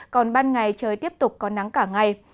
còn ban ngày trời tiếp tục có nắng cả ngày